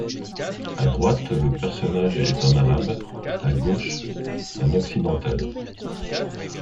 À droite le personnage est un Arabe, à gauche, un Occidental.